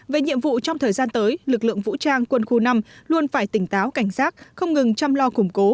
về nhiệm vụ trong thời gian tới lực lượng vũ trang quân khu năm luôn phải tỉnh táo cảnh giác không ngừng chăm lo củng cố